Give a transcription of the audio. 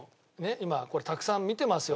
今これたくさん見てますよ